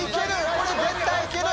これ絶対いける！